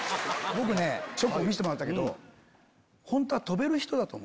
僕ね『ＳＨＯＣＫ』見せてもらったけど。